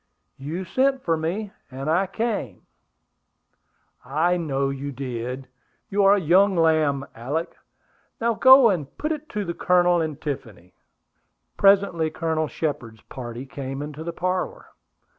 "You sent for me, and I came." "I know you did. You are a young lamb, Alick. Now go and put it to the Colonel and Tiffany." Presently Colonel Shepard's party came into the parlor.